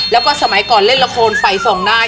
แล้วก็สมัยก่อนเล่นละครไฟส่องได้